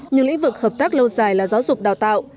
nhưng lĩnh vực hợp tác lâu dài là giáo dục đào tạo